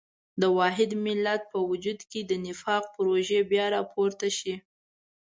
د واحد افغان ملت په وجود کې د نفاق پروژې بیا راپورته شي.